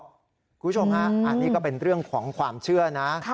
คุณผู้ชมฮะอันนี้ก็เป็นเรื่องของความเชื่อนะ